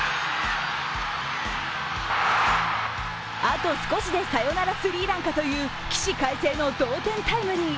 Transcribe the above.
あと少しでサヨナラスリーランかという起死回生の同点タイムリー。